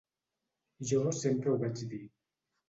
Jo sempre ho vaig dir.